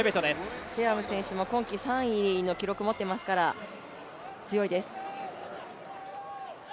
この選手も今季３位の記録を持っていますから、強いです。